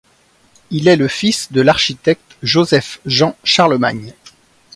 Il est le fils de l’architecte Joseph-Jean Charlemagne.